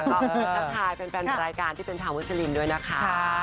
แล้วทายเป็นแฟนรายการที่เป็นชาวมุสลิมด้วยนะคะ